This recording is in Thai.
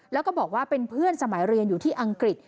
แล้วก็บอกว่าเป็นเพื่อนสมัยเรียนอยู่ที่อังกฤษ